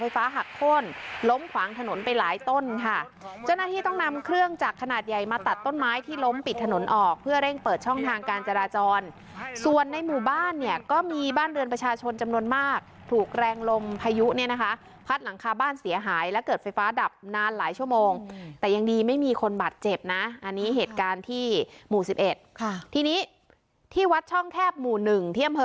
หักโค้นล้มขวางถนนไปหลายต้นค่ะเจ้าหน้าที่ต้องนำเครื่องจักรขนาดใหญ่มาตัดต้นไม้ที่ล้มปิดถนนออกเพื่อเร่งเปิดช่องทางการจราจรส่วนในหมู่บ้านเนี่ยก็มีบ้านเรือนประชาชนจำนวนมากถูกแรงลมพายุเนี่ยนะคะพัดหลังคาบ้านเสียหายและเกิดไฟฟ้าดับนานหลายชั่วโมงแต่ยังดีไม่มีคนบาดเจ็บนะอันนี้เหตุการณ์ที่หมู่สิบเอ็ดค่ะทีนี้ที่วัดช่องแคบหมู่หนึ่งที่อำเภอ